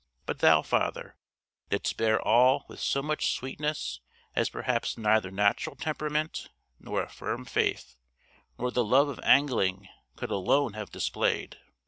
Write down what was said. But thou, Father, didst bear all with so much sweetness as perhaps neither natural temperament, nor a firm faith, nor the love of angling could alone have displayed.